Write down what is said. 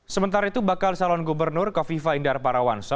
sementara itu bakal salon gubernur kofifa indar parawanso